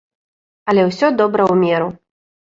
Але ўсё добра ў меру.